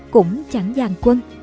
cũng chẳng giàn quân